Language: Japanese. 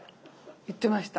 言ってました。